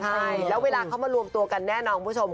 ใช่แล้วเวลาเขามารวมตัวกันแน่นอนคุณผู้ชม